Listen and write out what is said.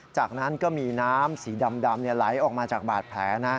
จากนั้นก็มีน้ำสีดำไหลออกมาจากบาดแผลนะ